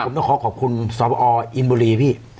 ผมต้องขอขอขอบคุณสวัสดีอิมบุหรีพี่